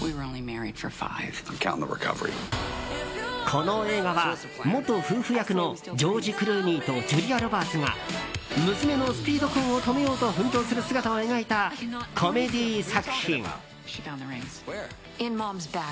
この映画は元夫婦役のジョージ・クルーニーとジュリア・ロバーツが娘のスピード婚を止めようと奮闘する姿を描いたコメディー作品。